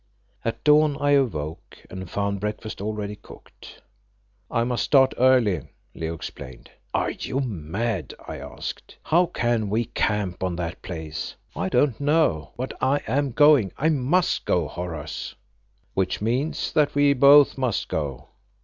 At dawn I awoke and found breakfast already cooked. "I must start early," Leo explained. "Are you mad?" I asked. "How can we camp on that place?" "I don't know, but I am going. I must go, Horace." "Which means that we both must go.